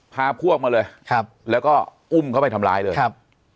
พาพวกมาเลยครับแล้วก็อุ้มเข้าไปทำร้ายเลยครับ